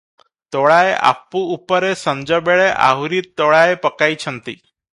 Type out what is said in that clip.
ତୋଳାଏ ଆପୁ ଉପରେ ସଞ୍ଜବେଳେ ଆହୁରି ତୋଳାଏ ପକାଇଛନ୍ତି ।